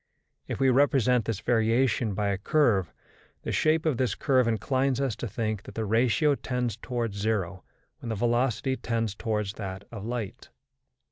If we represent this variation by a curve, the shape of this curve inclines us to think that the ratio tends toward zero when the velocity tends towards that of light.